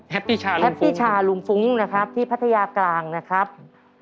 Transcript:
แฮปปี้ชาลุงฟุ้งนะครับที่พัทยากลางนะครับแฮปปี้ชาลุงฟุ้ง